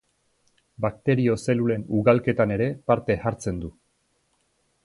Bakterio zelulen ugalketan ere parte hartzen du.